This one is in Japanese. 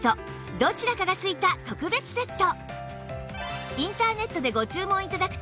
どちらかがついた特別セット